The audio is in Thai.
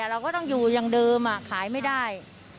เราก็ต้องอยู่อย่างเดิมขายไม่ได้